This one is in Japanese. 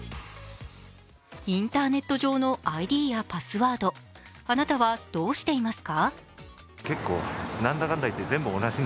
インターネット上のＩＤやパスワード、あなたはどうしていますか？